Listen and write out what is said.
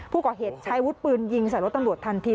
ผู้ก่อเหตุใช้วุฒิปืนยิงใส่รถตำรวจทันที